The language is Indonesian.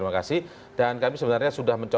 jika dalamtersan aga